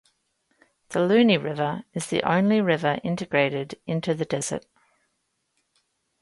The Luni River is the only river integrated into the desert.